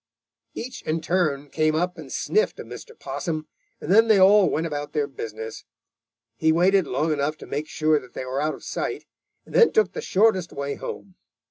"Each in turn came up and sniffed of Mr. Possum, and then they all went about their business. He waited long enough to make sure that they were out of sight, and then took the shortest way home.